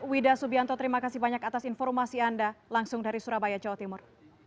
wida subianto terima kasih banyak atas informasi anda langsung dari surabaya jawa timur